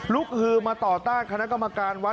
ฮือมาต่อต้านคณะกรรมการวัด